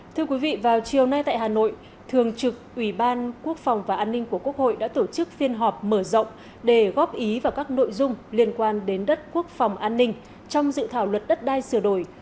thưa quý vị vào chiều nay tại hà nội thường trực ủy ban quốc phòng và an ninh của quốc hội đã tổ chức phiên họp mở rộng để góp ý vào các nội dung liên quan đến đất quốc phòng an ninh trong dự thảo luật đất đai sửa đổi